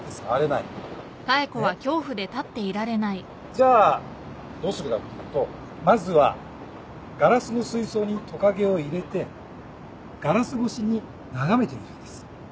じゃあどうするかっていうとまずはガラスの水槽にトカゲを入れてガラス越しに眺めてみるんです。